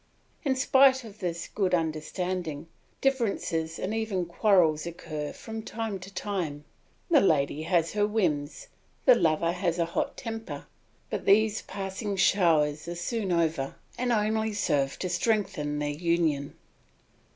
In spite of this good understanding, differences and even quarrels occur from time to time; the lady has her whims, the lover has a hot temper; but these passing showers are soon over and only serve to strengthen their union.